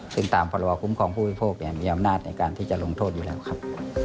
ซึ่งตามพรบคุ้มครองผู้บริโภคมีอำนาจในการที่จะลงโทษอยู่แล้วครับ